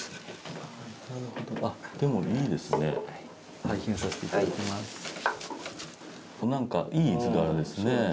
あっでもいいですね。